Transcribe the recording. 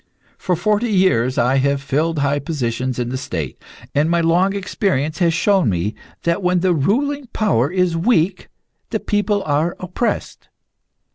For forty years I have filled high positions in the State, and my long experience has shown me that when the ruling power is weak the people are oppressed.